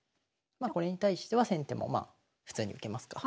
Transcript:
これに対しては先手もまあ普通に受けますか。